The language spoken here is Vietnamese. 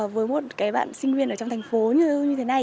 với một cái bạn sinh viên ở trong thành phố như thế này